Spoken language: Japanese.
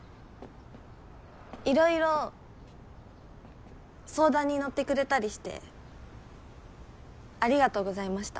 いろいろ相談にのってくれたりしてありがとうございました。